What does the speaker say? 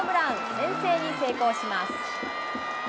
先制に成功します。